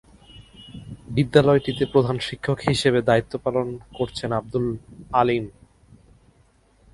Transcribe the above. বিদ্যালয়টিতে প্রধান শিক্ষক হিসেবে দায়িত্ব পালন করছেন আব্দুল আলীম।